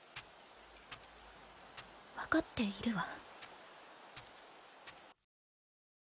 分かっているわ。